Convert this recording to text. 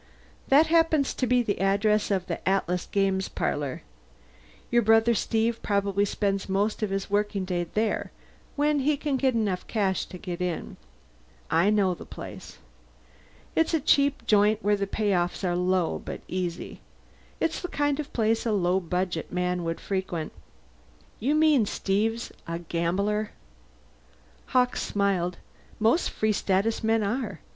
"That happens to be the address of the Atlas Games Parlor. Your brother Steve probably spends most of his working day there, when he has enough cash to get in. I know the place. It's a cheap joint where the payoffs are low but easy. It's the kind of place a low budget man would frequent." "You mean Steve's a gambler?" Hawkes smiled. "Most Free Status men are.